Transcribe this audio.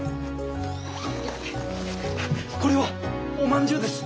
これはおまんじゅうです。